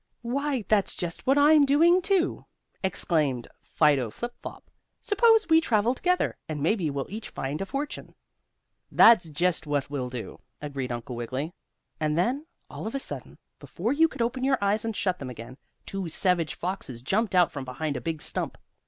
"Why, that's just what I'm doing, too," exclaimed Fido Flip Flop. "Suppose we travel together? and maybe we'll each find a fortune." "That's just what we'll do," agreed Uncle Wiggily. And then, all of a sudden, before you could open your eyes and shut them again, two savage foxes jumped out from behind a big stump.